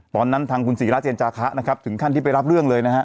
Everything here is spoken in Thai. ทางคุณศิราเจนจาคะนะครับถึงขั้นที่ไปรับเรื่องเลยนะฮะ